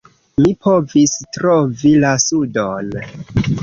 Mi povis trovi la sudon.